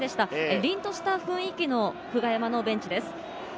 りんとした雰囲気の久我山のベンチです。